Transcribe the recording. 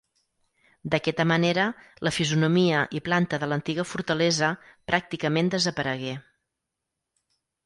D'aquesta manera la fisonomia i planta de l'antiga fortalesa pràcticament desaparegué.